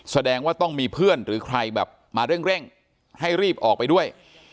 แสดงว่าต้องมีเพื่อนหรือใครแบบมาเร่งให้รีบออกไปด้วย